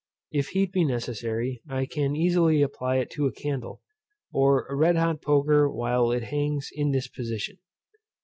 If heat be necessary I can easily apply to it a candle, or a red hot poker while it hangs in this position.